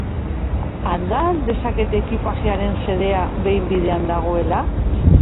Alda al dezaket ekipajearen xedea behin bidean dagoela?